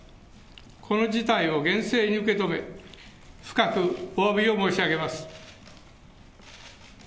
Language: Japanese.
この事態を厳正に受け止め、深くおわびを申し上げます。